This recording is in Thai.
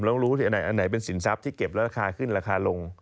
แล้วรู้สิอันไหนเป็นสินทรัพย์ที่เก็บแล้วราคาขึ้นราคาลง